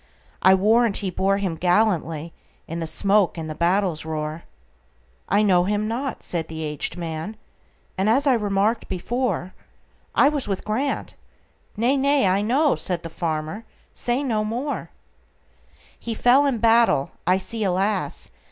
I warrant he bore him gallantlyIn the smoke and the battle's roar!""I know him not," said the aged man,"And, as I remarked before,I was with Grant"—"Nay, nay, I know,"Said the farmer, "say no more:"He fell in battle,—I see, alas!